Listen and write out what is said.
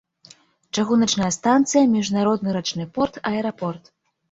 Чыгуначная станцыя, міжнародны рачны порт, аэрапорт.